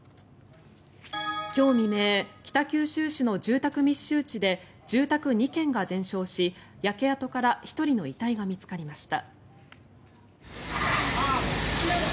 今日未明北九州市の住宅密集地で住宅２軒が全焼し焼け跡から１人の遺体が見つかりました。